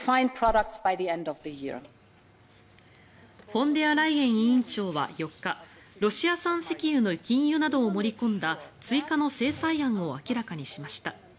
フォンデアライエン委員長は４日ロシア産石油の禁輸などを盛り込んだ追加の制裁案を明らかにしました。